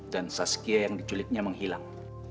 dan saskia yang diculiknya menghilang